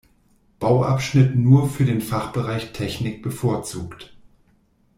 Bauabschnitt nur für den Fachbereich Technik bevorzugt.